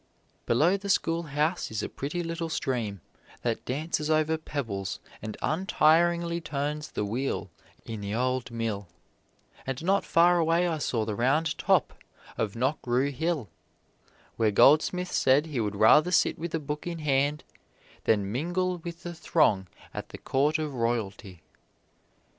Below the schoolhouse is a pretty little stream that dances over pebbles and untiringly turns the wheel in the old mill; and not far away I saw the round top of Knockrue hill, where Goldsmith said he would rather sit with a book in hand than mingle with the throng at the court of royalty.